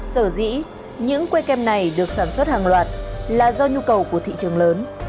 sở dĩ những quê kèm này được sản xuất hàng loạt là do nhu cầu của thị trường lớn